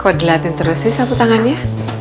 kok diliatin terus sih satu tangannya